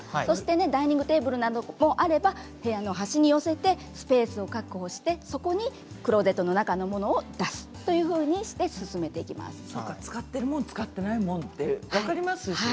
ダイニングテーブルなどがあれば部屋の端に寄せてスペースを確保してそこにクローゼットの中のものを使っているもの使っていないもの分かりますよね。